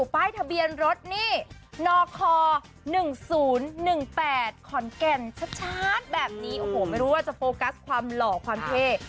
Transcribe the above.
แบบนี้โอ้โหไม่รู้ว่าจะโฟกัสความหล่อความเท่